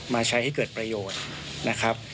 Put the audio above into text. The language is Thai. มาใช้ให้เกิดประโยชน์